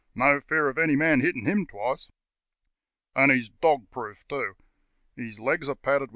No fear of any man hitting him twice. "And he's dog proof, too. His legs are padded.